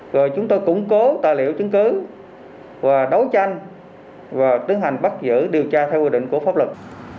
rồi chúng tôi củng cố tài liệu chứng cứ và đấu tranh và tiến hành bắt giữ điều tra theo quy định của pháp luật